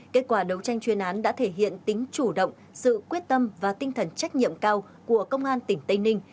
kết quả đấu tranh chuyên án đã thể hiện tính chủ động sự quyết tâm và tinh thần trách nhiệm cao của công an tỉnh tây ninh